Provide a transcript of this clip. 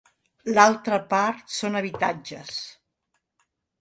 L'altra part són habitatges.